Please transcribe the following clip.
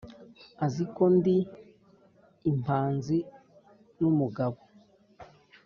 Azi ko ndi impanzi y'umugabo.